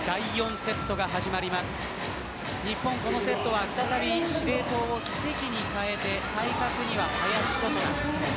日本、このセットは再び司令塔を関に代えて対角には林琴奈。